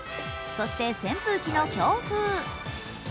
そして扇風機の強風。